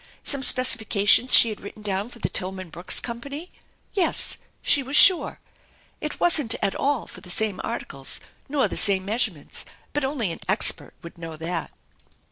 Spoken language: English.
Some specifications she had written down for the Tillman Brooks Company. Yes, she was sure. It wasn't at all for the same articles, nor the same measurements, but only an expert would know that.